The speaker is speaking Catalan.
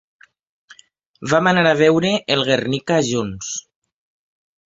Vam anar a veure el ‘Guernica’ junts.